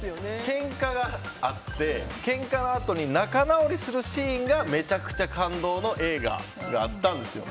けんかがあってけんかのあとに仲直りするシーンがめちゃくちゃ感動の映画があったんですよ。